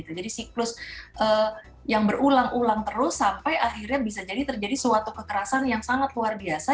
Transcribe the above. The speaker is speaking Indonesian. siklus yang berulang ulang terus sampai akhirnya bisa jadi terjadi suatu kekerasan yang sangat luar biasa